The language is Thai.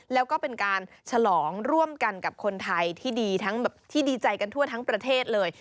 แล้วก็เป็นการฉลองร่วมกันกับคนไทยที่ดีทั้งแบบที่ดีใจกันทั่วทั้งประเทศเลย